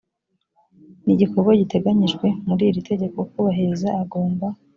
ni igikorwa giteganyijwe muri iri tegeko kubahiriza agomba